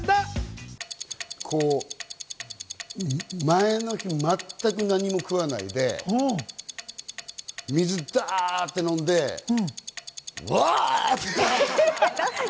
前の日、全く何も食わないで、水、がって飲んでワって。